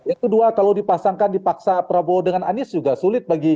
yang kedua kalau dipaksa torabowo dengan anies juga sulit